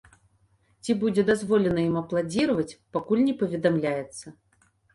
Ці будзе дазволена ім апладзіраваць, пакуль не паведамляецца.